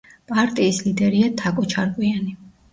პარტიის ლიდერია თაკო ჩარკვიანი.